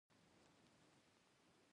له موږ څخه لږ څه وړاندې په یوې ګاډۍ کې.